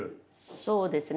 そうですね。